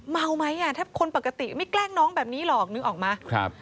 เมาไหมคนปกติไม่แกล้งน้องแบบนี้หรอกนึกออกมา